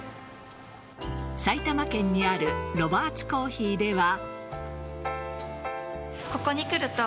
埼玉県にあるロバーツコーヒーでは。